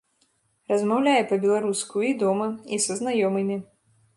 Размаўляе па-беларуску і дома, і са знаёмымі.